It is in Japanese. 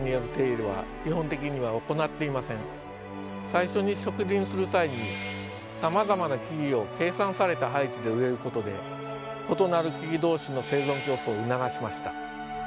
最初に植林する際にさまざまな木々を計算された配置で植えることで異なる木々同士の生存競争を促しました。